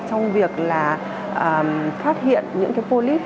trong việc phát hiện những phô líp